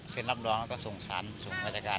เสร็จรับรองแล้วก็ส่งสรรค์ส่งกรรจการ